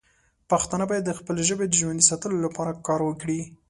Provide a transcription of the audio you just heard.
پښتانه باید د خپلې ژبې د ژوندی ساتلو لپاره کار وکړي.